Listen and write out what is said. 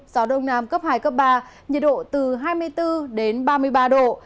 gió đông nam cấp hai cấp ba nhiệt độ từ hai mươi bốn ba mươi bốn độ